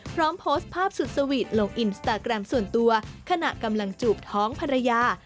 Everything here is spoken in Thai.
พร้อมโพสต์ภาพสุดสวีทลงอินสตาแกรมส่วนตัวขณะกำลังจูบท้องภรรยา